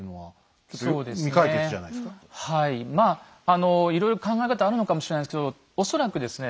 まあいろいろ考え方あるのかもしれないですけど恐らくですね